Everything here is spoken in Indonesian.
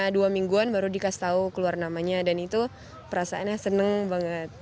dua mingguan baru dikasih tahu keluar namanya dan itu perasaannya seneng banget